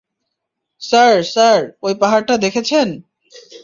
Sir, sir, ওই পাহাড়টা দেখছেন?